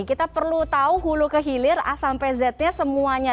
kita perlu tahu hulu ke hilir a sampai z nya semuanya